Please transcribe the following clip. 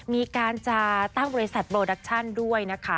มีการจะตั้งบริษัทโปรดักชั่นด้วยนะคะ